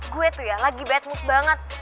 gue tuh ya lagi badmout banget